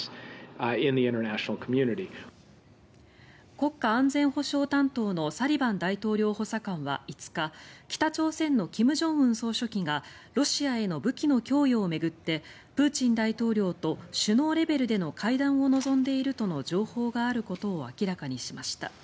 国家安全保障担当のサリバン大統領補佐官は５日北朝鮮の金正恩総書記がロシアへの武器の供与を巡ってプーチン大統領と首脳レベルでの会談を望んでいるとの情報があることを明らかにしました。